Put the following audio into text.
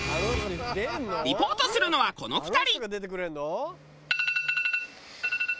リポートするのはこの２人。